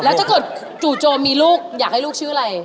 แล้วถ้าเกิดจู่โจมมีลูกอยากให้ลูกชื่ออะไร